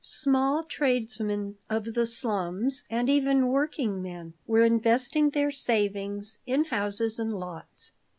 Small tradesmen of the slums, and even working men, were investing their savings in houses and lots.